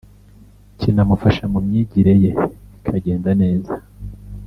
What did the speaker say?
kinamufasha mu myigire ye ikagenda neza